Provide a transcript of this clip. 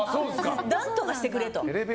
何とかしてくれと。